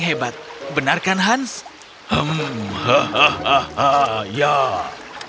benar sesuai kerjasama hwachas